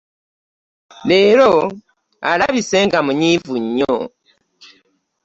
Leero alabise nga munyiivu nnyo.